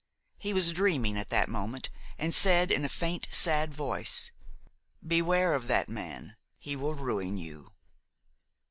He was dreaming at that moment and said in a faint, sad voice: "Beware of that man, he will ruin you."